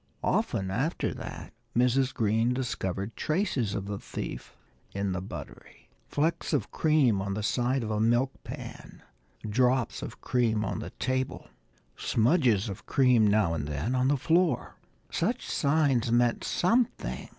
Often, after that, Mrs. Green discovered traces of the thief in the buttery. Flecks of cream on the side of a milk pan, drops of cream on the table, smudges of cream now and then on the floor! Such signs meant something.